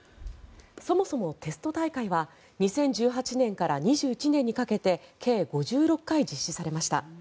そもそもテスト大会は２０１８年から２１年にかけて計５６回実施されました。